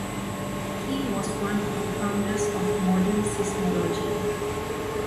He was one of the founders of modern Seismology.